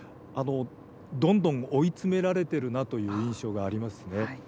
どんどん追い詰められているなという印象がありますね。